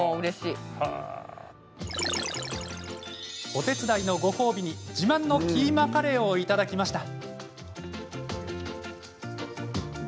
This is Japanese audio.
お手伝いのご褒美に自慢のキーマカレーをいただきました。